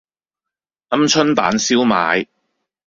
鵪鶉蛋燒賣